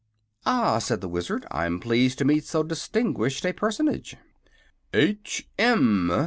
"Ah," said the Wizard; "I'm pleased to meet so distinguished a personage." "H. M.